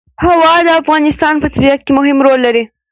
هوا د افغانستان په طبیعت کې مهم رول لري.